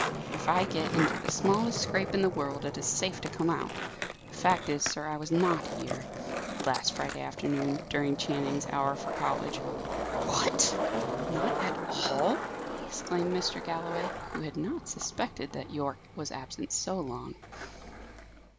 "If I get into the smallest scrape in the world, it is safe to come out. The fact is, sir, I was not here, last Friday afternoon, during Channing's hour for college." "What! not at all?" exclaimed Mr. Galloway, who had not suspected that Yorke was absent so long.